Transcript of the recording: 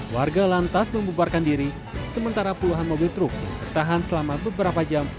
warga lantas membubarkan diri sementara puluhan mobil truk bertahan selama beberapa jam